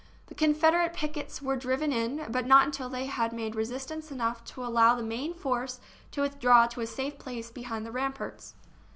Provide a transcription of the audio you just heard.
The Confederate pickets were driven in, but not until they had made resistance enough to allow the main force to withdraw to a safe place behind the ramparts.